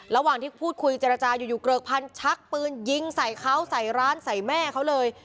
ระหว่างที่พูดคุยเจรจาอยู่เกริกพันธักปืนยิงใส่เขาใส่ร้านใส่แม่เขาเลย